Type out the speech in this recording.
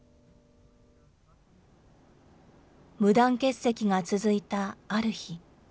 無断欠席が続いたある日。